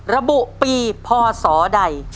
ระบุปีพศใด